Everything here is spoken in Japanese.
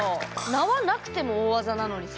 縄なくても大技なのにさ。